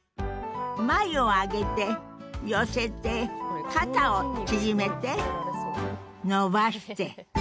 眉を上げて寄せて肩を縮めて、伸ばして。